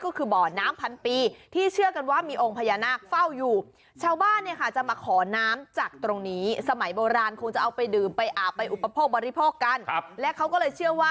ก็คือบ่อน้ำพันปีที่เชื่อกันว่ามีองค์พญานาคเฝ้าอยู่